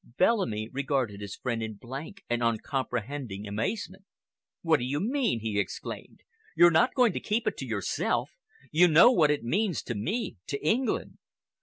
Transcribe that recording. Bellamy regarded his friend in blank and uncomprehending amazement. "What do you mean?" he exclaimed. "You're not going to keep it to yourself? You know what it means to me—to England?"